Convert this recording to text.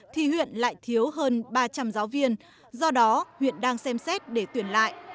thì huyện lại thiếu hơn ba trăm linh giáo viên do đó huyện đang xem xét để tuyển lại